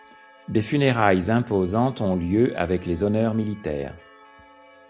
Des funérailles imposantes ont lieu, avec les honneurs militaires.